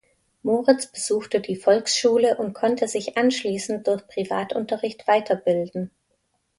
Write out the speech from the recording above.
Moritz besuchte die Volksschule und konnte sich anschließend durch Privatunterricht weiterbilden.